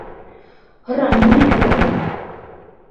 Һора: нимә кәрәк уға?